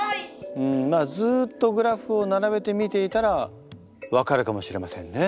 うんまあずっとグラフを並べて見ていたら分かるかもしれませんね。